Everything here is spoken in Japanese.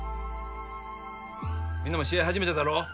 みんなも試合初めてだろ？